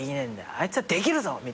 「あいつはできるぞ！